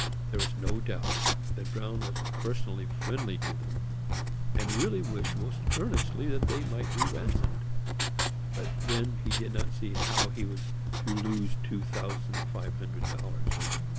There is no doubt that Bruin was personally friendly to them, and really wished most earnestly that they might be ransomed; but then he did not see how he was to lose two thousand five hundred dollars.